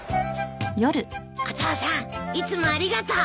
「お父さんいつもありがとう」